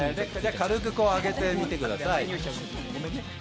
軽くこう、上げてみてください。